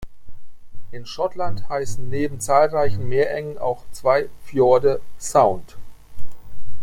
In Schottland heißen neben zahlreichen Meerengen auch zwei Fjorde "Sound".